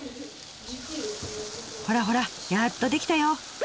ほらほらやっと出来たよ！